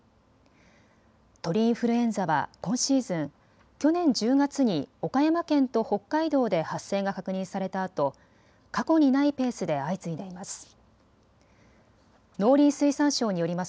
鳥インフルエンザは今シーズン、去年１０月に岡山県と北海道で発生が確認されたあと過去にないペースで相次いでいます。